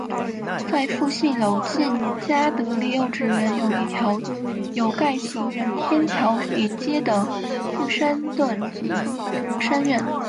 在富信楼近嘉德丽幼稚园有一条有盖行人天桥连接富山邨及琼山苑。